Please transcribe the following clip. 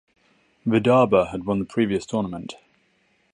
Vidarbha had won the previous tournament.